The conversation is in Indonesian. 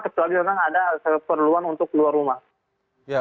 kecuali memang ada keperluan untuk keluar rumah